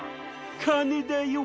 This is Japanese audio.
かねだよ！